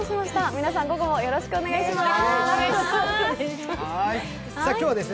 皆さん、午後もよろしくお願いします。